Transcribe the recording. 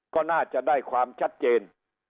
ก็น่าจะได้ความชัดเจน